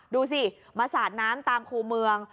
ดูสิมาสาดน้ำตามคู่เมือง